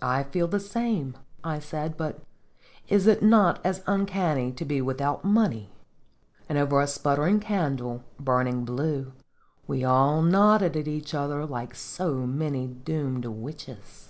"I feel the same," I said; "but is it not as uncanny to be without money?" And over a sputtering candle, burning blue, we all nodded at each other like so many doomed witches.